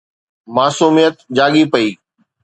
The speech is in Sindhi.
معصوميت جاڳي پئي